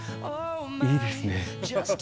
いいですね。